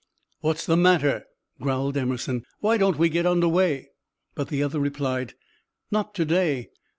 "What's the matter?" growled Emerson. "Why don't we get under way?" But the other replied: "Not to day.